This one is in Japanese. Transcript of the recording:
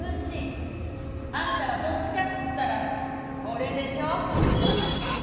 あんたはどっちかっていったらこれでしょ。